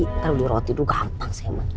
kalau beli roti tuh gampang sih emang